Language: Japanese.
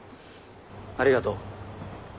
ありがとう。